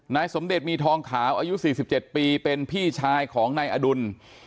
สมเด็จมีทองขาวอายุ๔๗ปีเป็นพี่ชายของนายอดุล